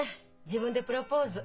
自分でプロポーズ。